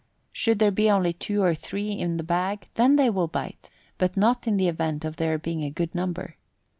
Should there be only two or three in the bag, then they will bite, but not in the event of there being a good number.